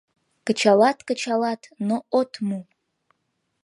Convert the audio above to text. Кычылат, кычалат, но от му.